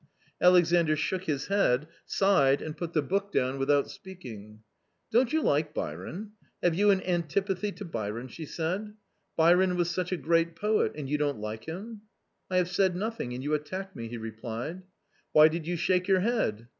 Alexandr shook his head, sighed and put the book down without speaking. "Don't you like Byron ? Have you an antipathy to Byron ?" she said. "Byron was such a great poet — and you don't like him !"" I have said nothing and you attack me," he replied. " Why did you shake your head